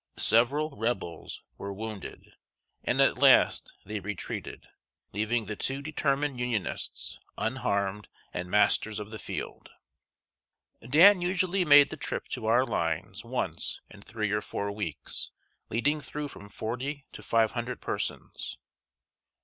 Several Rebels were wounded, and at last they retreated, leaving the two determined Unionists unharmed and masters of the field. Dan usually made the trip to our lines once in three or four weeks, leading through from forty to five hundred persons.